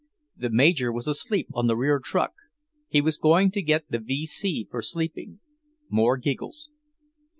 The Major was asleep on the rear truck; he was going to get the V.C. for sleeping. More giggles.